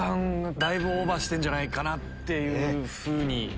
だいぶオーバーしてんじゃないかっていうふうに。